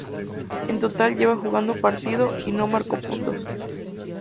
En total lleva jugado un partido y no marcó puntos.